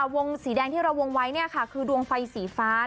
วงสีแดงที่เราวงไว้คือดวงไฟสีฟ้า